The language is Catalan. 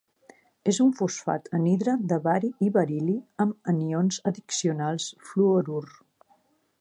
És un fosfat anhidre de bari i beril·li amb anions addicionals fluorur.